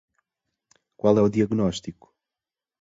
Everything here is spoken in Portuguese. Qual é o diagnóstico?